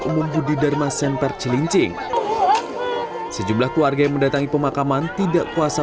umum budi dharma semper cilincing sejumlah keluarga yang mendatangi pemakaman tidak kuasa